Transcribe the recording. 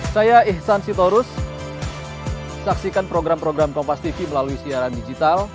saya ihsan sitorus saksikan program program kompas tv melalui siaran digital